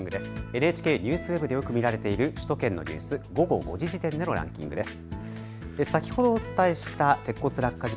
ＮＨＫＮＥＷＳＷＥＢでよく見られている首都圏のニュース、午後５時時点でのランキングです。